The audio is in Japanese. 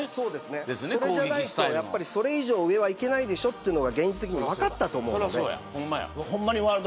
そうじゃないとそれ以上上はいけないでしょというのが現実的に分かったと思う。